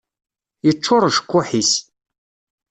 Yeččur ucekkuḥ-is.